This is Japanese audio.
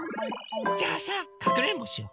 じゃあさかくれんぼしよ。